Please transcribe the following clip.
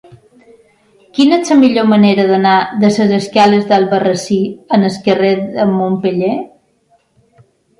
Quina és la millor manera d'anar de les escales d'Albarrasí al carrer de Montpeller?